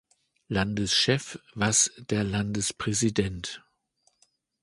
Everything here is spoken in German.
Landeschef was der Landespräsident.